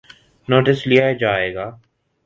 Notice لیا جائے گا۔